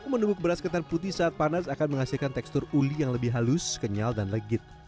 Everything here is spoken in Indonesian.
menubuk beras ketan putih saat panas akan menghasilkan tekstur uli yang lebih halus kenyal dan legit